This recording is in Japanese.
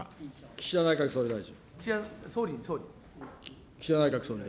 岸田内閣総理大臣。